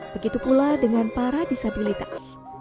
begitu pula dengan para disabilitas